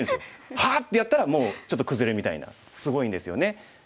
「ハアッ！」ってやったらもうちょっと崩れみたいなすごいんですよね。